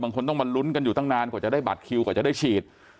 คนต้องมาลุ้นกันอยู่ตั้งนานกว่าจะได้บัตรคิวกว่าจะได้ฉีด